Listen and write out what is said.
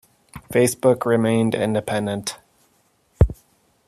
Facebook remained independent.